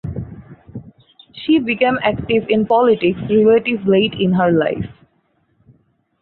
She became active in politics relative late in her life.